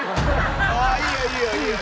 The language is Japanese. ああいいよいいよいいよ。